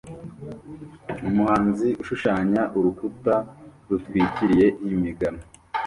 Umuhanzi ushushanya urukuta rutwikiriye imigano